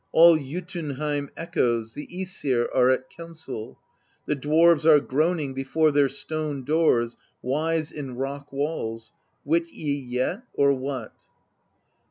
All Jotunheim echoes, the ^sir are at council; The dwarves are groaning before their stone doors, Wise in rock walls; wit ye yet, or what?